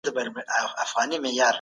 د لويي جرګې پایلي څنګه اعلانېږي؟